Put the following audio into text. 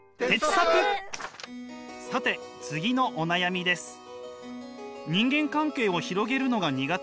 さて次のお悩みです。